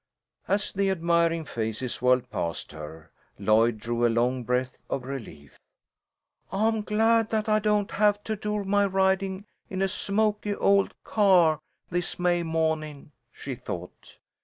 As the admiring faces whirled past her, Lloyd drew a long breath of relief. "I'm glad that I don't have to do my riding in a smoky old car this May mawnin'," she thought.